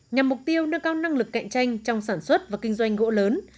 nhằm mục tiêu nâng cao năng lực cạnh tranh trong sản xuất và kinh doanh gỗ lớn